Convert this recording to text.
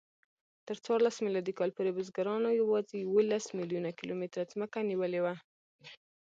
تر څوارلس میلادي کال پورې بزګرانو یواځې یوولس میلیونه کیلومتره ځمکه نیولې وه.